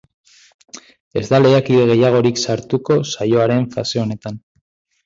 Ez da lehiakide gehiagorik sartuko saioaren fase honetan.